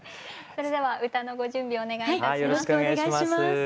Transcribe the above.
それでは歌のご準備お願いいたします。